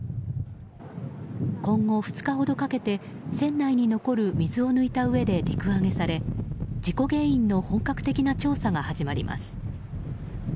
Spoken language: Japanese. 今後２日ほどかけて船内に残る水を抜いたうえで陸揚げされ事故原因の本格的な調査が始まります。